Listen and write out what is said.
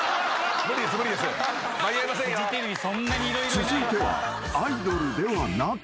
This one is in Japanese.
［続いてはアイドルではなく］